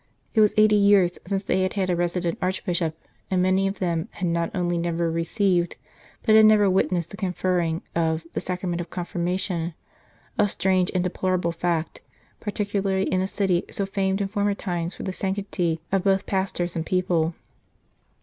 It was eighty years since they had had a resident Archbishop, and many of them had not only never received, but had never witnessed the conferring of, the Sacrament of Confirmation, a strange and deplorable fact, particularly in a city so famed in former times for the sanctity of 40 The City of the Plains both pastors and people.